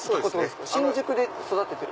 新宿で育ててる？